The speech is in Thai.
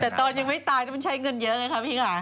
แต่ตอนยังไม่ตายมันใช้เงินเยอะไงคะพี่ค่ะ